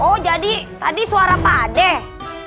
oh jadi tadi suara pak adeh